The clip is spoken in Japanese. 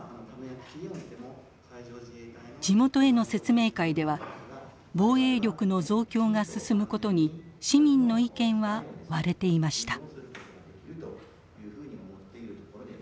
地元への説明会では防衛力の増強が進むことに市民の意見は割れていました。